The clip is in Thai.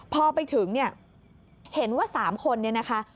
พอไปถึงเห็นว่า๓คนนี้นะคะ